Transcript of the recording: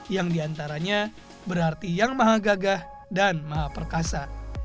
yang diantaranya berarti yang maha gagah dan maha perkasa